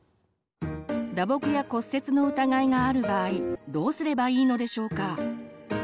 打撲や骨折の疑いがある場合どうすればいいのでしょうか？